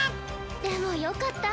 でもよかった。